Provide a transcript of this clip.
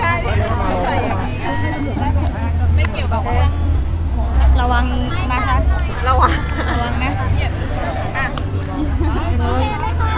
อันนี้มีอาการหรือปืน